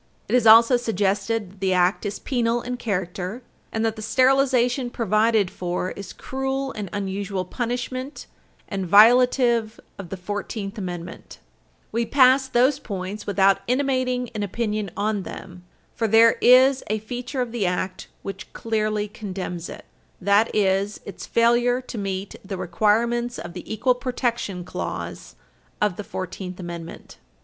It is also suggested that the Act is penal in character, and that the sterilization provided for is cruel and unusual punishment and violative of the Fourteenth Amendment. See Davis v. Berry, supra. Cf. State v. Felen, 70 Wash. 65, 126 P. 75; Mickle v. Henrichs, 262 F. 687. We pass those points without intimating an opinion on them, for there is a feature of the Act which clearly condemns it. That is its failure to meet the requirements of the equal protection clause of the Fourteenth Amendment.